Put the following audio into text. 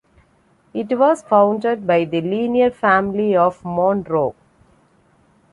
It was founded by the Liner Family of Monroe.